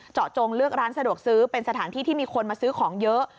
จงเลือกร้านสะดวกซื้อเป็นสถานที่ที่มีคนมาซื้อของเยอะ